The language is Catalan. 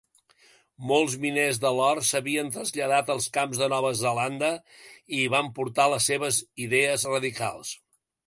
Molts miners de l'or s'havien traslladat als camps de Nova Zelanda i hi van portar les seves idees radicals.